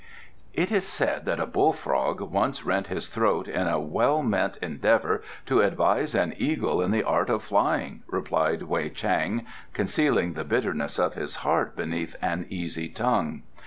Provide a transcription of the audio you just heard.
"It is said that a bull frog once rent his throat in a well meant endeavour to advise an eagle in the art of flying," replied Wei Chang, concealing the bitterness of his heart beneath an easy tongue.